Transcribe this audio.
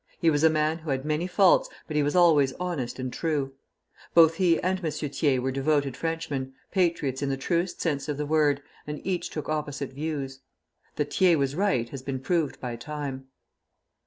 He was a man who had many faults, but he was always honest and true. Both he and M. Thiers were devoted Frenchmen, patriots in the truest sense of the word, and each took opposite views. That Thiers was right has been proved by time.